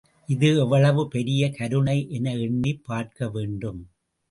இது எவ்வளவு பெரிய கருணை என எண்ணிப் பார்க்க வேண்டும்.